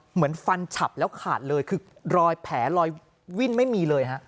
เหมือนฟันฉับแล้วขาดเลยคือรอยแผลรอยวิ่นไม่มีเลยฮะ